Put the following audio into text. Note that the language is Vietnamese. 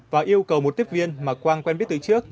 và yêu cầu một tiếp viên mà quang quen biết từ trước